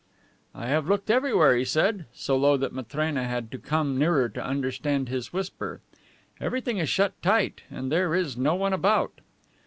"I have looked everywhere," he said, so low that Matrena had to come nearer to understand his whisper. "Everything is shut tight. And there is no one about."